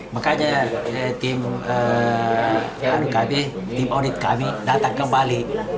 makanya tim audit kami datang kembali